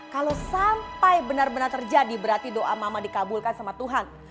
kalau sampai benar benar terjadi berarti doa mama dikabulkan sama tuhan